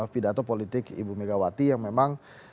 pidato politik ibu megawati yang memang